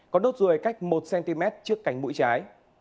có nốt ruồi cách một cm trước cánh mũi trái